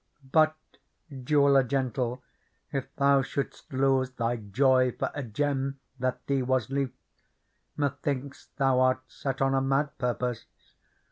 '' But, jeweller gentle, if thou shouldst lose Thy joy for a gem that thee was lief, Methinks thou art set on a mad purpose.